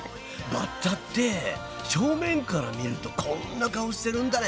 バッタって正面から見るとこんな顔してるんだね。